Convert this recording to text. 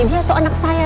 dia tuh anak saya